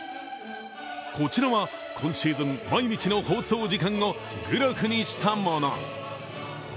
こちらは、今シーズン、毎日の放送時間をグラフにしたもの。